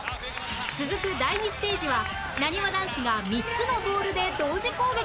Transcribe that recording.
続く第２ステージはなにわ男子が３つのボールで同時攻撃